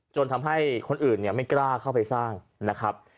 จนทำให้คนอื่นไม่กล้าเข้าไปสร้างนะครับ